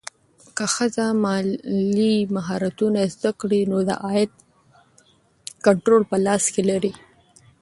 که ښځه مالي مهارتونه زده کړي، نو د عاید کنټرول په لاس کې لري.